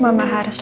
mama harus liat